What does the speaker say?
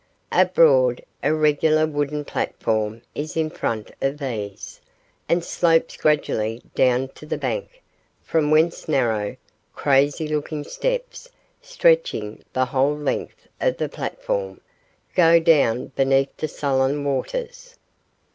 A broad, irregular wooden platform is in front of these, and slopes gradually down to the bank, from whence narrow, crazy looking steps, stretching the whole length of the platform, go down beneath the sullen waters.